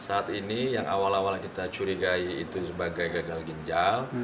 saat ini yang awal awal kita curigai itu sebagai gagal ginjal